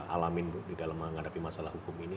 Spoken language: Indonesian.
alamin bu di dalam menghadapi masalah hukum ini